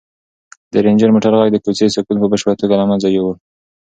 د رنجر موټر غږ د کوڅې سکون په بشپړه توګه له منځه یووړ.